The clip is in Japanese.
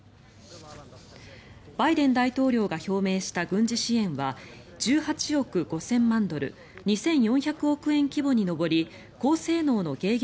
バイデン大統領が表明した軍事支援は１８億５０００万ドル２４００億円規模に上り高性能の迎撃